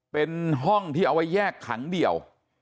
เป็นห้องที่เอาไว้แยกขังเดี่ยว